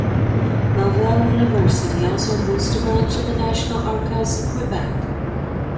Laval University also hosts a branch of the National Archives of Quebec.